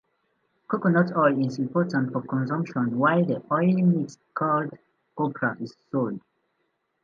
Coconut oil is important for consumption while the oily meat called copra, is sold.